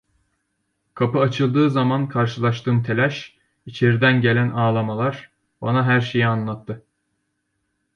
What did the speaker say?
Kapı açıldığı zaman karşılaştığım telaş, içeriden gelen ağlamalar, bana her şeyi anlattı.